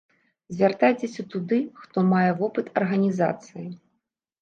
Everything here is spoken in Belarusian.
Звяртайцеся туды, хто мае вопыт арганізацыі.